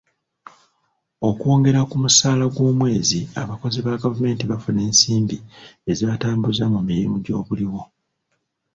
Okwongereza ku musaala gw'omwezi, abakozi ba gavumenti bafuna ensimbi ezibatambuza mu mirimu gy'obuliwo.